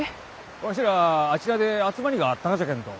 わしらああちらで集まりがあったがじゃけんど。